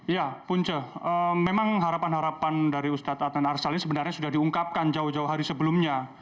ya punca memang harapan harapan dari ustadz adnan arsal ini sebenarnya sudah diungkapkan jauh jauh hari sebelumnya